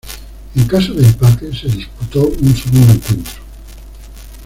En caso de empate se disputó un segundo encuentro.